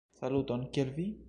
Saluton, kiel vi?